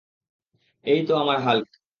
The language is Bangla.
এইতো আমার হাল্ক!